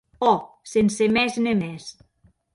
Òc, sense mès ne mès.